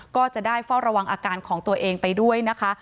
ก็จะได้เฝ้าระวังอาการของตัวเองไปด้วยนะคะ